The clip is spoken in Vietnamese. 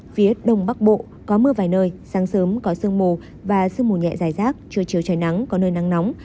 phía đông bắc bộ có mưa vài nơi sáng sớm có sương mù và sương mù nhẹ dài rác trưa chiều trời nắng có nơi nắng nóng